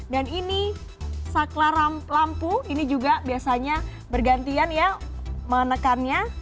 dan ini saklar lampu ini juga biasanya bergantian ya menekannya